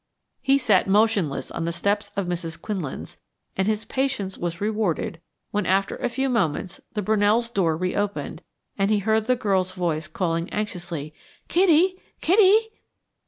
He sat motionless on the steps of Mrs. Quinlan's, and his patience was rewarded when after a few moments the Brunell's door re opened and he heard the girl's voice calling anxiously: "Kitty! Kitty!"